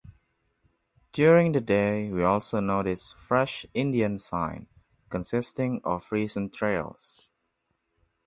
During the day we also noticed fresh Indian ‘sign’, consisting of recent trails.